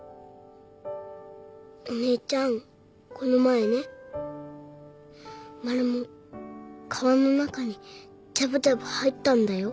お姉ちゃんこの前ねマルモ川の中にジャブジャブ入ったんだよ。